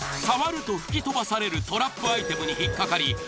触ると吹き飛ばされるトラップアイテムに引っ掛かり。